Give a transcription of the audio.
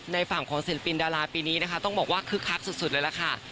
ในฝั่งของศิลปินดาราปีนี้นะคะต้องบอกว่าคึกคักสุดเลยล่ะค่ะ